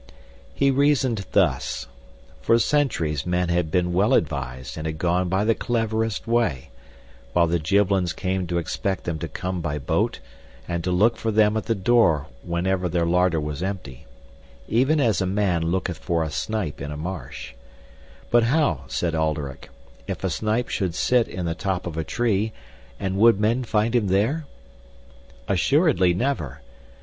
He reasoned thus: for centuries men had been well advised and had gone by the cleverest way, while the Gibbelins came to expect them to come by boat and to look for them at the door whenever their larder was empty, even as a man looketh for a snipe in a marsh; but how, said Alderic, if a snipe should sit in the top of a tree, and would men find him there? Assuredly never!